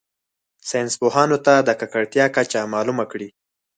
ساینس پوهانو ته د ککړتیا کچه معلومه کړي.